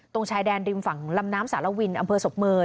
ชายแดนริมฝั่งลำน้ำสารวินอำเภอศพเมย